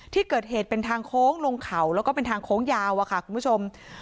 ที่เกิดเหตุเป็นทางโค้งลงเขาแล้วก็เป็นทางโค้งยาวอะค่ะคุณผู้ชม